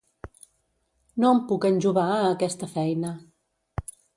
No em puc enjovar a aquesta feina.